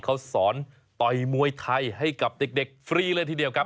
เขาสอนต่อยมวยไทยให้กับเด็กฟรีเลยทีเดียวครับ